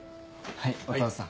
はいお父さん。